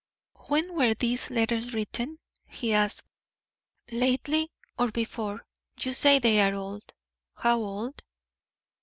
"When were these letters written?" he asked. "Lately, or before You say they are old; how old?"